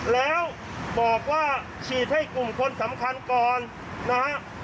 แล้วบอกว่าฉีดให้กลุ่มคนสำคัญก่อนนะฮะ